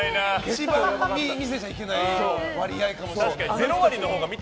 一番見せちゃいけない割合かもしれない。